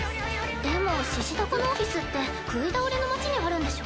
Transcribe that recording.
でも獅子だこのオフィスって食い倒れの町にあるんでしょ？